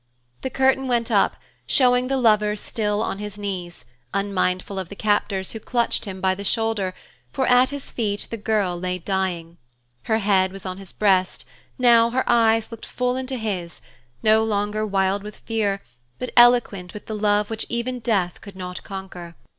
The curtain went up, showing the lover still on his knees, unmindful of the captors who clutched him by the shoulder, for at his feet the girl lay dying. Her head was on his breast, now, her eyes looked full into his, no longer wild with fear, but eloquent with the love which even death could not conquer.